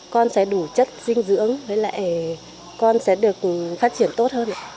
con sẽ đủ chất dinh dưỡng với lại con sẽ được phát triển tốt hơn